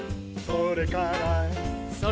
「それから」